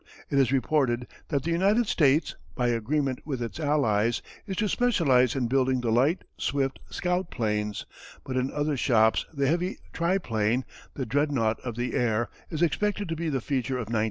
It is reported that the United States, by agreement with its Allies, is to specialize in building the light, swift scout planes, but in other shops the heavy triplane, the dreadnought of the air is expected to be the feature of 1918.